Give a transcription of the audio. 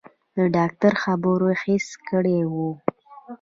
د ډاکتر خبرو هېښ کړى وم.